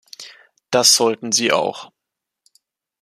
Das sollten sie auch.